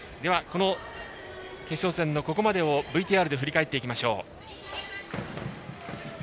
この決勝戦のここまでをＶＴＲで振り返っていきましょう。